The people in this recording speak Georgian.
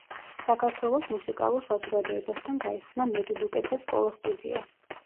საქართველოს მუსიკალურ საზოგადოებასთან გაიხსნა მედუდუკეთა სკოლა-სტუდია.